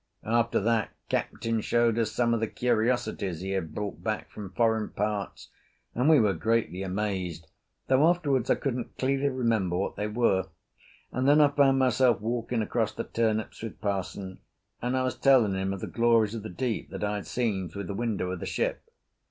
After that Captain showed us some of the curiosities he had brought back from foreign parts, and we were greatly amazed, though afterwards I couldn't clearly remember what they were. And then I found myself walking across the turnips with parson, and I was telling him of the glories of the deep that I had seen through the window of the ship.